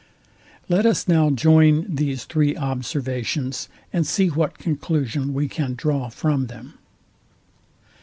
Let us now join these three observations, and see what conclusion we can draw from them.